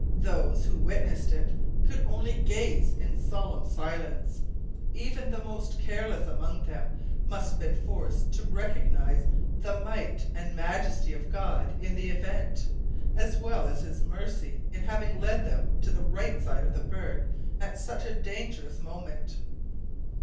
Those who witnessed it could only gaze in solemn silence. Even the most careless among them must have been forced to recognise the might and majesty of God in the event, as well as His mercy in having led them to the right side of the berg at such a dangerous moment.